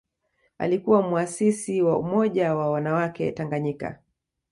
Alikuwa muasisi wa Umoja wa wanawake Tanganyika